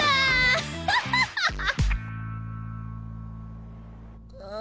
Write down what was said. アハハハハ！